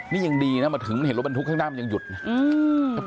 นี่ยังดีนะมาถึงเห็นรถบรรทุกข้างหน้ามันยังหยุดนะ